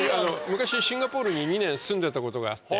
昔シンガポールに２年住んでたことがあって。